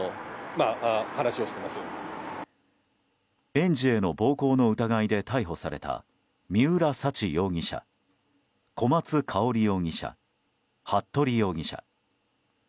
園児への暴行の疑いで逮捕された三浦沙知容疑者、小松香織容疑者服部容疑者。